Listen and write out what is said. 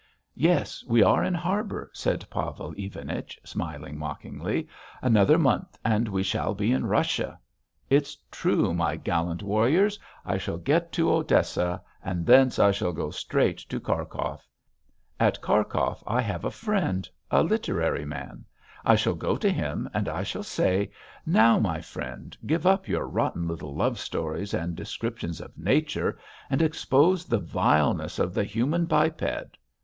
"Yes. We are in harbour," said Pavel Ivanich, smiling mockingly. "Another month and we shall be in Russia. It's true; my gallant warriors, I shall get to Odessa and thence I shall go straight to Kharkhov. At Kharkhov I have a friend, a literary man. I shall go to him and I shall say, 'now, my friend, give up your rotten little love stories and descriptions of nature, and expose the vileness of the human biped....